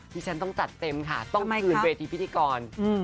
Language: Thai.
นี่ฉันต้องจัดเต็มค่ะต้องคืนเวทีพิธีกรทำไมครับ